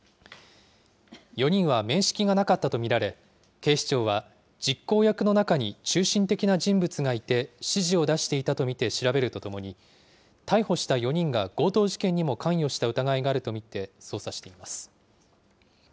４人は面識がなかったと見られ、警視庁は実行役の中に中心的な人物がいて、指示を出していたと見て調べるとともに、逮捕した４人が強盗事件にも関与した疑いがあると見て捜査しています。